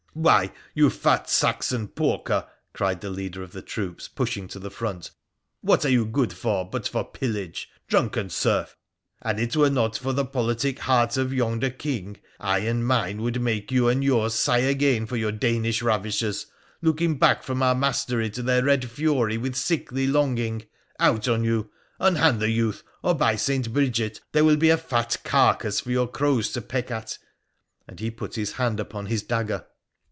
' Why, you fat Saxon porker !' cried the leader of the troops, pushing to the front, ' what are you good for but for pillage ? Drunken serf ! An it were not for the politic heart of yonder King, I and mine would make you and yours sigh again for your Danish ravishers, looking back from our mastery to their red fury with sickly longing ! Out on you ! Unhand the youth, or by St. Bridget there will be a fat car case for your crows to peck at !' and he put his hand upon his dagger.